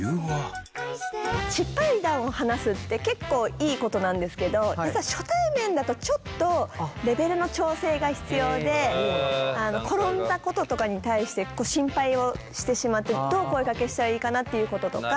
失敗談を話すって結構いいことなんですけど実は初対面だとちょっとレベルの調整が必要で転んだこととかに対して心配をしてしまってどう声かけしたらいいかなっていうこととか。